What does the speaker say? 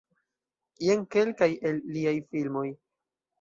Jen kelkaj el liaj filmoj.